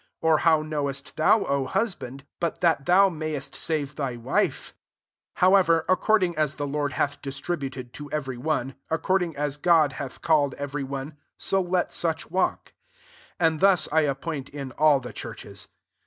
or how knowest thou, Q hu^MiDd, but that thou m^^yest save t&y wife ? 17 However, according ts the Lord hath distributed to every one, accordiag as Ged hath called every one, so kt such walk. And thus I appoint in all the churches.